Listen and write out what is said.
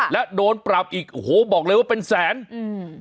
และโดนปรับอีกโอ้โหบอกเลยว่าเป็นแสนอืม